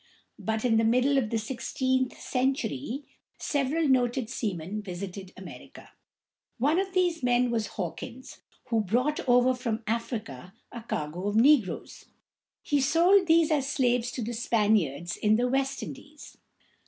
But in the middle of the sixteenth century several noted seamen visited America. One of these men was Hawkins, who brought over from Africa a cargo of negroes. He sold these as slaves to the Spaniards in the West Indies.